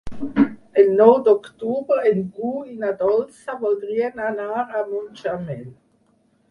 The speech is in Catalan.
El nou d'octubre en Bru i na Dolça voldrien anar a Mutxamel.